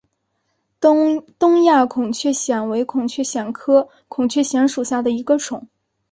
东亚孔雀藓为孔雀藓科孔雀藓属下的一个种。